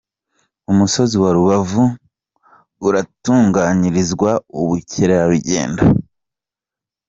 Umusozi wa Rubavu uratunganyirizwa ubukerarugendo